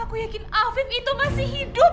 aku yakin afif itu masih hidup